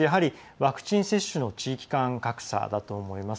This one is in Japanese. ワクチン接種の地域間格差だと思います。